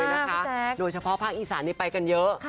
เยอะมากพี่แจ๊กโดยเฉพาะภากอีสานนี่ไปกันเยอะค่ะ